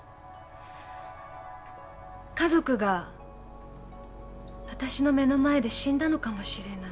家族があたしの目の前で死んだのかもしれない。